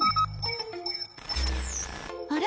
あれ？